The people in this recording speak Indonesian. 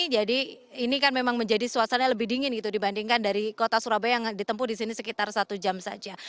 jadi ini kan memang menjadi suasana lebih dingin gitu dibandingkan dari kota surabaya yang ditempuh disini sekitar satu jam saja